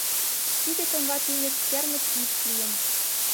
Тиде коҥга тӱньык кермыч ӱпш лийын.